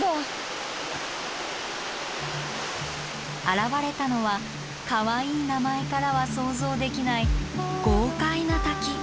現れたのはかわいい名前からは想像できない豪快な滝。